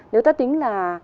nếu ta tính là